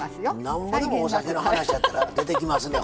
なんぼでもお酒の話やったら出てきますね